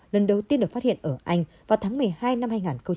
lần đầu tiên được phát hiện ở anh vào tháng một mươi hai năm hai nghìn hai mươi